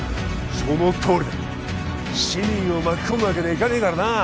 そのとおりだ市民を巻き込むわけにはいかないからな